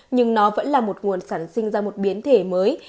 nhưng nó vẫn là một nguồn sản sinh ra một biến thể mới